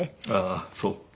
ああそう。